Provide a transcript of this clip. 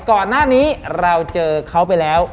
ก่อนหน้านี้เราเจอเขาไปแล้ว